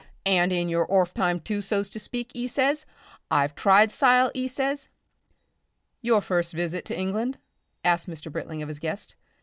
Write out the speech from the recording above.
And in your orf time, too, so's to speak,' 'e says. 'I've tried sile,' 'e says " "Your first visit to England?" asked Mr. Britling of his guest.